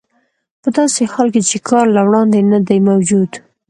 په داسې حال کې چې کار له وړاندې نه دی موجود